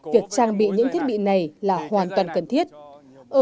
việc trang bị những thiết bị này là hoàn toàn khó